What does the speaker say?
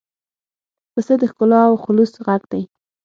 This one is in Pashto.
پسه د ښکلا او خلوص غږ دی.